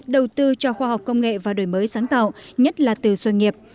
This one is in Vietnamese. đầu tư cho khoa học công nghệ và đổi mới sáng tạo nhất là từ doanh nghiệp